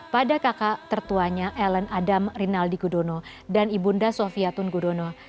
pada kakak tertuanya ellen adam rinaldi gudono dan ibunda sofiatun gudono